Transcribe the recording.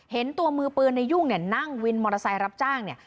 เห็นตัวมือปืนในยุ่งเนี่ยนั่งวินมอเตอร์ไซค์รับจ้างเนี่ย